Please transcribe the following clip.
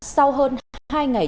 sau hơn hai ngày